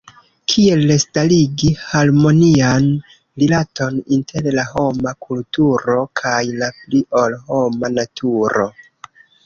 Kiel restarigi harmonian rilaton inter la homa kulturo kaj la pli-ol-homa naturo?